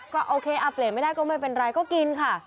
ก็โอเคเปลี่ยนไม่ได้ก็ไม่เป็นไรก็กินค่ะ